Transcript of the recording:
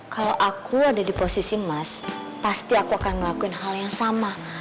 kalo aku ada di posisi mas pasti aku akan ngelakuin hal yang sama